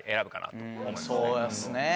そうですね。